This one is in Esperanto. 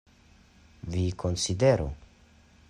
Vi konsideru!